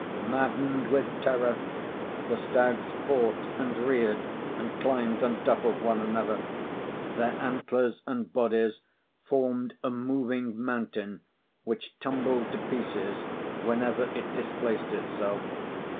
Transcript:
Maddened with terror, the stags fought and reared and climbed on top of one another; their antlers and bodies formed a moving mountain which tumbled to pieces whenever it displaced itself.